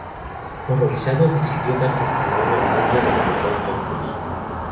Horrorizado, decidió dar testimonio al mundo del Holocausto en curso.